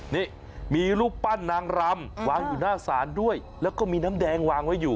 นี่มีรูปปั้นนางรำวางอยู่หน้าศาลด้วยแล้วก็มีน้ำแดงวางไว้อยู่